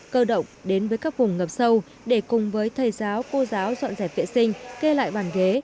cơ động đến với các vùng ngập sâu để cùng với thầy giáo cô giáo dọn dẹp vệ sinh kê lại bàn ghế